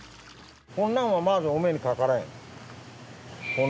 こんなんはまずお目にかからへん。